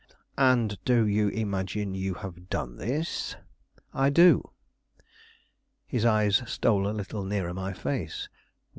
"And do you imagine you have done this?" "I do." His eyes stole a little nearer my face.